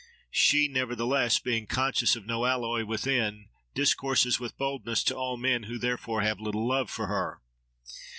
She, nevertheless, being conscious of no alloy within, discourses with boldness to all men, who therefore have little love for her.